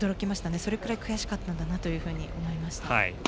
それくらい悔しかったんだなと思いました。